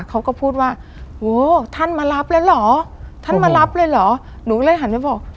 เขาก็พูดว่าโอ้ท่านมารับแล้วเหรอท่านมารับเลยเหรอหนูก็เลยหันไปบอก